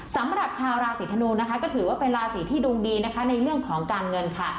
สำหรับชาวราศีธนูนะคะก็ถือว่าเป็นราศีที่ดวงดีนะคะในเรื่องของการเงินค่ะ